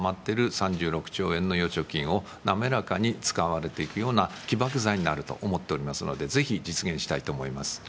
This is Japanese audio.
３６兆円の預貯金を滑らかに使われていくような起爆剤になると思っておりますので、ぜひ、実現したいと思います。